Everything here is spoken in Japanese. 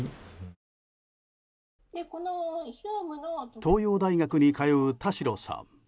東洋大学に通う、田代さん。